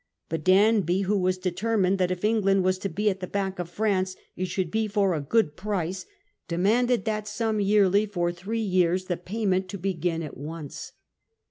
But Danby, who was determined that if England was to be at the beck of France it should be for a good price, demanded that sum yearly for three years, the payment to begin at once.